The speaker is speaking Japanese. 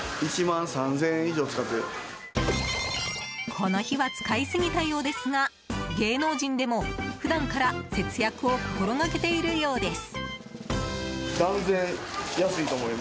この日は使い過ぎたようですが芸能人でも、普段から節約を心がけているようです。